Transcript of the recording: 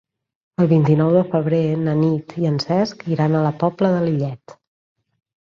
El vint-i-nou de febrer na Nit i en Cesc iran a la Pobla de Lillet.